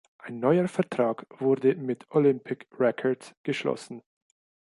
Ein neuer Vertrag wurde mit Olympic Records geschlossen.